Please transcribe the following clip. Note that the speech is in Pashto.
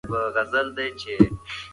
د علم له لارې پرمختګ کیږي.